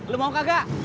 lo mau kagak